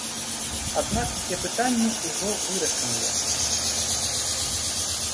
Аднак усе пытанні ўжо вырашаныя.